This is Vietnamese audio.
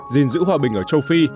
gìn giữ hòa bình ở châu phi